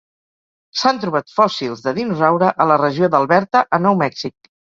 S'han trobat fòssils de dinosaure a la regió d'Alberta a Nou Mèxic.